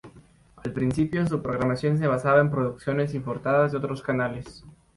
Al principio, su programación se basaba en producciones importadas de otros canales.